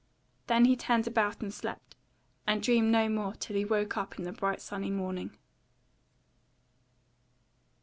Then he turned about and slept, and dreamed no more till he woke up in the bright sunny morning.